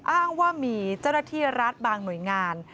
อ้างว่ามีเจ้าหน้าที่รัฐบางหน่วยงาน